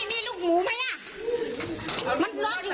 มีลูกหมูว่ะ